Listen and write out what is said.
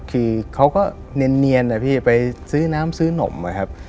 คือเขาก็เนียนนะพี่ไปซื้อน้ำซื้อนมอะครับ